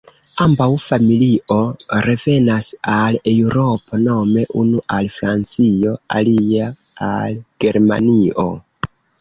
Ambaŭ familio revenas al Eŭropo nome unu al Francio, alia al Germanio.